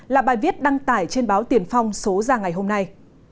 là bài viết đăng tải trên báo tiền phong số ra ngày hôm nay